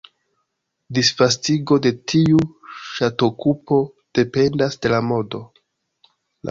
Disvastigo de tiu ŝatokupo dependas de la modo.